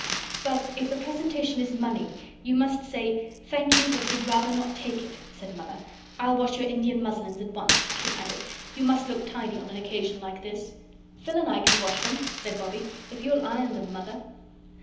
"But if the presentation is money, you must say, 'Thank you, but we'd rather not take it,'" said Mother. "I'll wash your Indian muslins at once," she added. "You must look tidy on an occasion like this." "Phil and I can wash them," said Bobbie, "if you'll iron them, Mother."